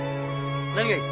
何がいい。